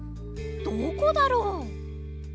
どこだろう？